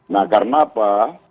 nah karena apa